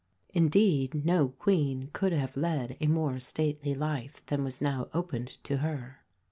Indeed no Queen could have led a more stately life than was now opened to her.